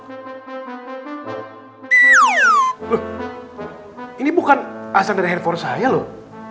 loh ini bukan hasan dari handphone saya loh